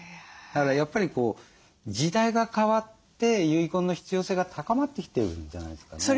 だからやっぱり時代が変わって遺言の必要性が高まってきてるんじゃないですかね？